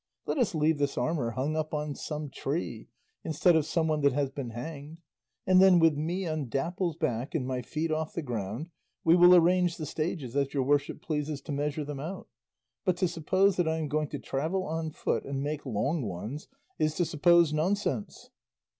Let us leave this armour hung up on some tree, instead of some one that has been hanged; and then with me on Dapple's back and my feet off the ground we will arrange the stages as your worship pleases to measure them out; but to suppose that I am going to travel on foot, and make long ones, is to suppose nonsense."